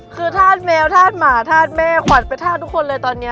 คือทาดแมวทาดหมาทาดแม่ขวัญเป็นทาดทุกคนเลยตอนนี้